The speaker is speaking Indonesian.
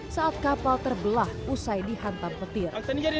saat kapal terbelah usai dihantam petir